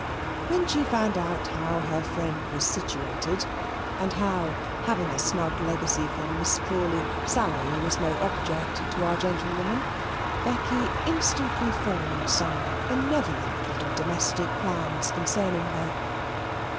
When she found how her friend was situated, and how having a snug legacy from Miss Crawley, salary was no object to our gentlewoman, Becky instantly formed some benevolent little domestic plans concerning her.